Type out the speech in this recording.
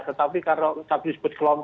tetapi kalau tadi disebut kelompok